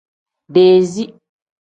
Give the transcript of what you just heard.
Dezii.